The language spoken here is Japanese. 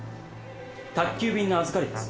宅急便の預かりです。